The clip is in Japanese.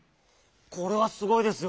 これはすごいですよ。